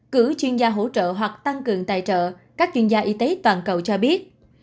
cử chuyên gia hỗ trợ hoặc tăng cường tài trợ các chuyên gia y tế toàn cầu cho biết